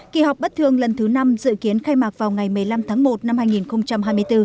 kỳ họp bất thường lần thứ năm dự kiến khai mạc vào ngày một mươi năm tháng một năm hai nghìn hai mươi bốn